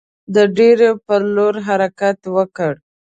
د دیر پر لور حرکت وکړ.